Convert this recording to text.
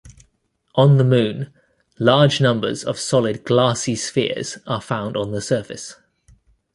On the Moon, large numbers of solid glassy spheres are found on the surface.